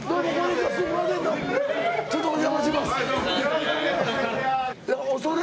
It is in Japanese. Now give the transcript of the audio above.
ちょっとお邪魔します。